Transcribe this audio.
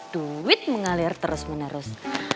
duit mengalir terus menerus